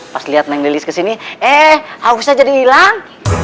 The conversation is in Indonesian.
pas lihat neng delis kesini eh hausnya jadi hilang